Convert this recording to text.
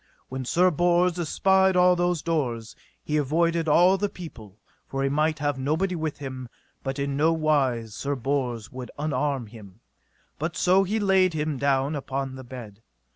When Sir Bors espied all those doors, he avoided all the people, for he might have nobody with him; but in no wise Sir Bors would unarm him, but so he laid him down upon the bed.